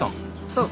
そう。